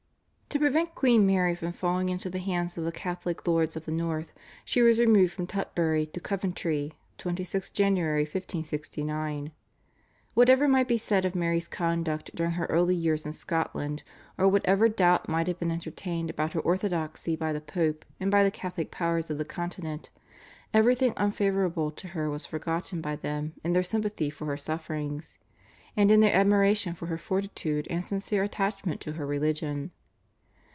To prevent Queen Mary from falling into the hands of the Catholic lords of the north she was removed from Tutbury to Coventry (26th January 1569). Whatever might be said of Mary's conduct during her early years in Scotland, or whatever doubt might have been entertained about her orthodoxy by the Pope and by the Catholic powers of the Continent, everything unfavourable to her was forgotten by them in their sympathy for her sufferings, and in their admiration for her fortitude and sincere attachment to her religion.